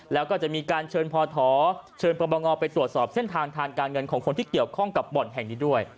แล้วก็จะมีการเชิญพทเชิญประบงไปตรวจสอบเส้นทางทางการเงินของคนที่เกี่ยวข้องกับบ่อนแห่งนี้ด้วย